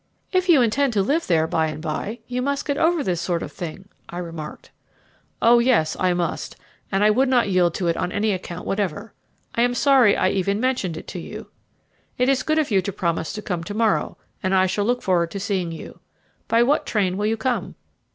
"If you intend to live there by and by, you must get over this sort of thing," I remarked. "Oh yes, I must, and I would not yield to it on any account whatever. I am sorry I even mentioned it to you. It is good of you to promise to come to morrow, and I shall look forward to seeing you. By what train will you come?"